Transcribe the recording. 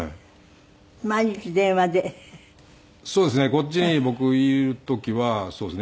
こっちに僕いる時はそうですね。